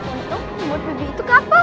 untuk membuat bibi itu kapal